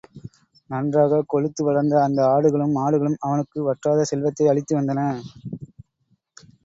நன்றாகக் கொழுத்து வளர்ந்த அந்த ஆடுகளும் மாடுகளும் அவனுக்கு வற்றாத செல்வத்தை அளித்து வந்தன.